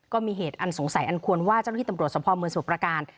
ก็มีเหตุอันสงสัยอันควรว่าเจ้าหน้าที่ตำรวจสมภาพเมืองสมุทรประการ